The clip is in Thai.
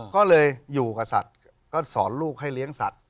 ก็เลยอยู่กับสัตว์ก็สอนลูกให้เลี้ยงสัตว